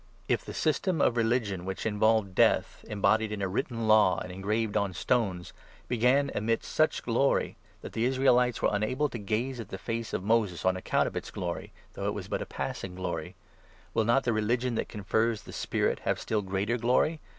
If the system of religion which involved Death, embodied 7 in a written Law and engraved on stones, began amid such glory, that the Israelites were unable to gaze at the face of Moses on account of its glory, though it was but a passing glory, will not the religion that confers the Spirit have still 8 greater glory